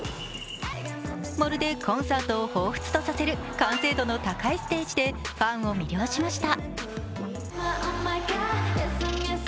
まるでコンサートを彷彿とさせる完成度の高いステージで、ファンを魅了しました。